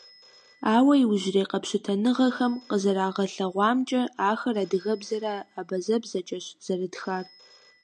Ауэ иужьрей къэпщытэныгъэхэм къызэрагъэлъэгъуамкӀэ, ахэр адыгэбзэрэ абазэбзэкӀэщ зэрытхар.